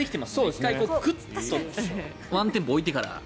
１回、クッとワンテンポ置いてから。